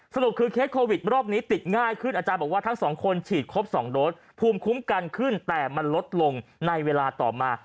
สรุปคือเคสโควิดรอบนี้ติดง่ายขึ้นอาจารย์บอกว่าทั้งสองคนฉีดครบ๒โดสภูมิคุ้มกันขึ้นแต่มันลดลงในเวลาต่อมา